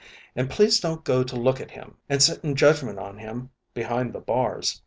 And please don't go to look at him and sit in judgment on him behind the bars.